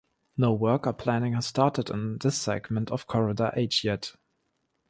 No work or planning has started on this segment of Corridor H yet.